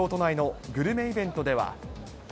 東京都内のグルメイベントでは。